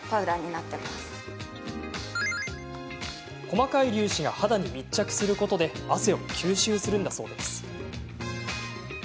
細かい粒子が肌に密着することで汗を吸収するんだそうです。